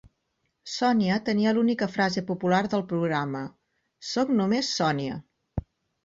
Sònia tenia la única frase popular del programa: Sóc només Sònia!